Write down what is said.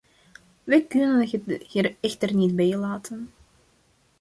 We kunnen het hier echter niet bij laten.